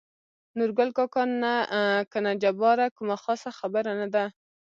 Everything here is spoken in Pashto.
نورګل کاکا: نه کنه جباره کومه خاصه خبره نه ده.